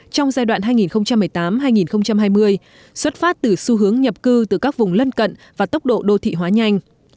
trong giai đoạn hai nghìn một mươi tám hai nghìn hai mươi xuất phát từ xu hướng nhập cư từ các vùng lân cận và tốc độ đô thị hóa nhanh